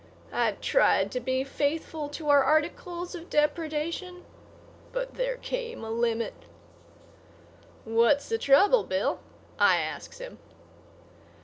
I tried to be faithful to our articles of depredation; but there came a limit." "What's the trouble, Bill?" I asks him.